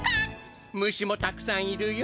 虫もたくさんいるよ。